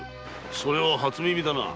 それは初耳だな。